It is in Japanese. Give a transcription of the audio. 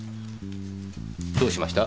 どうしました？